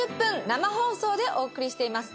生放送でお送りしています。